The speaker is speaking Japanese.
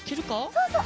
そうそう。